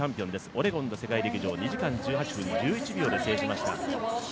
オレゴンの世界陸上２時間１８分１１秒で制しました。